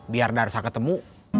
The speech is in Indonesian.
biar darza ketemu